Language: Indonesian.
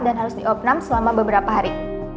dan harus diopnam selama beberapa hari